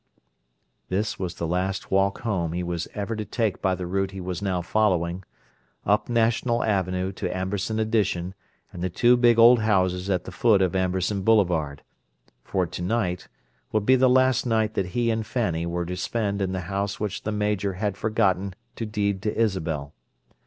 This was the last "walk home" he was ever to take by the route he was now following: up National Avenue to Amberson Addition and the two big old houses at the foot of Amberson Boulevard; for tonight would be the last night that he and Fanny were to spend in the house which the Major had forgotten to deed to Isabel.